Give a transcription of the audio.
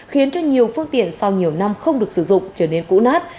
khiến cho nhiều phương tiện sau nhiều năm không được sử dụng trở nên cũ nát